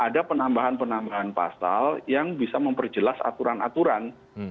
ada penambahan penambahan pasal yang bisa memperjelas aturan aturan